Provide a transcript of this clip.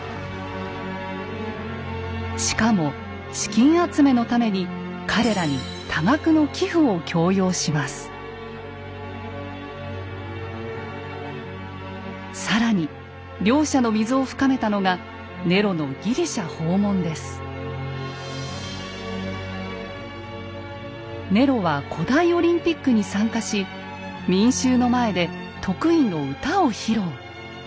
しかも資金集めのために彼らに更に両者の溝を深めたのがネロのネロは古代オリンピックに参加し民衆の前で得意の歌を披露。